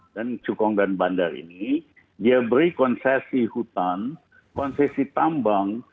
dan cukong dan bandar ini dia beri konsesi hutan konsesi tambang